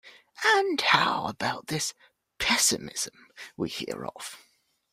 And how about this pessimism we hear of?